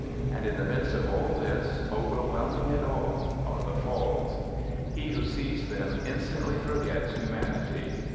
And in the midst of all this, overwhelming it all, are the Falls. He who sees them instantly forgets humanity.